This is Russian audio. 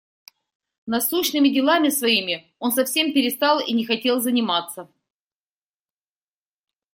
Насущными делами своими он совсем перестал и не хотел заниматься.